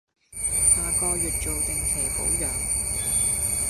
下個月做定期保養